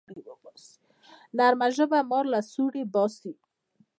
نرمه ژبه مار له سوړي باسي